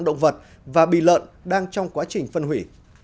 động vật và bì lợn đang trong quá trình phân hủy